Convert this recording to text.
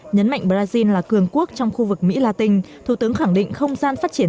nhấn mạnh brazil là cường quốc trong khu vực mỹ la tinh thủ tướng khẳng định không gian phát triển